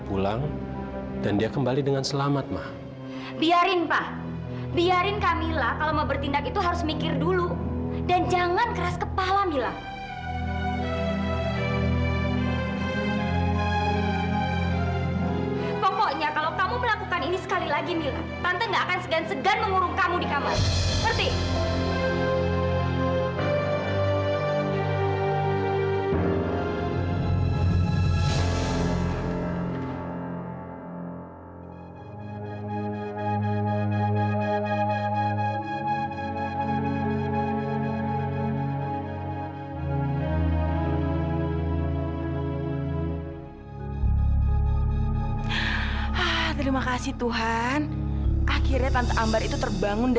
papi gak mau makan alena